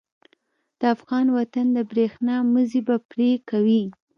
د افغان وطن د برېښنا مزی به پرې کوي.